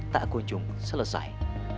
tak kunjung selesai